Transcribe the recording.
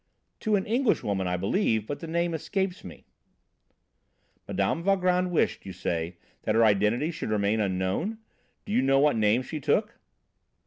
"To an Englishwoman, I believe, but the name escapes me." "Mme. Valgrand wished, you say, that her identity should remain unknown? Do you know what name she took?"